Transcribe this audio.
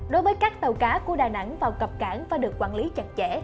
đối với các tàu cá của đà nẵng vào cập cảng phải được quản lý chặt chẽ